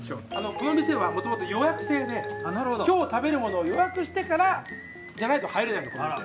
この店はもともと予約制で今日食べるものを予約してからじゃないと入れないのこの店。